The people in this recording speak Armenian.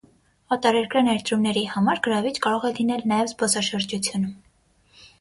Օտարերկրյա ներդրումների համար գրավիչ կարող է լինել նաև զբոսաշրջությունը։